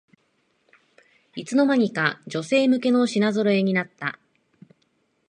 いつの間にか女性向けの品ぞろえになった